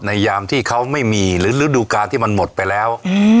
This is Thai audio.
ยามที่เขาไม่มีหรือฤดูการที่มันหมดไปแล้ว